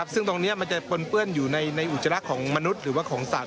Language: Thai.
ซึ่งตรงนี้มันจะปนเปื้อนอยู่ในอุจจาระของมนุษย์หรือว่าของสัตว